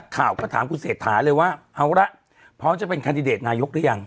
ข่าวก็ถามคุณเศรษฐาเลยว่าเอาละพร้อมจะเป็นคันดิเดตนายกหรือยัง